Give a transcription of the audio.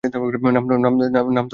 নাম তো তোমার এটাও সুন্দর।